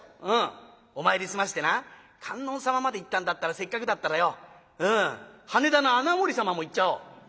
お参り済ませてな観音様まで行ったんだったらせっかくだったらよ羽田の穴守様も行っちゃおう。